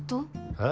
えっ？